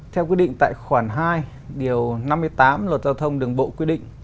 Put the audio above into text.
theo quy định tại khoản hai điều năm mươi tám luật giao thông đường bộ quy định